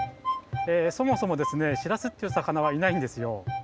そもそもですねしらすっていうさかなはいないんですよ。